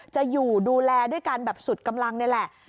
จะอยู่ดูแลด้วยกันแบบสุดกำลังนี่แหละ